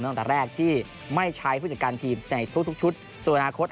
ตั้งแต่แรกที่ไม่ใช้ผู้จัดการทีมในทุกชุดส่วนอนาคต